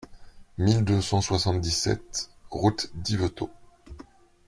mille deux cent soixante-dix-sept route d'Yvetot